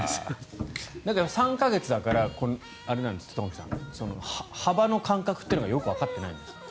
３か月だから、東輝さん幅の感覚というのがよくわかってないんですって。